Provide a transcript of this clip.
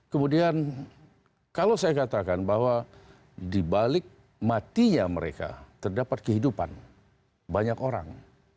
kemudian kalau saya katakan bahwa dibalik matinya mereka terdapat kehidupan banyak orang